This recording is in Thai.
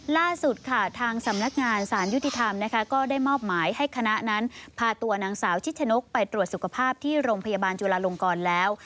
ล่าสุดค่ะทางสำนักงานสารยุติธรรมนะคะก็ได้มอบหมายให้คณะนั้นพาตัวนางสาวชิดชนกไปตรวจสุขภาพที่โรงพยาบาลจุลาลงกรแล้ว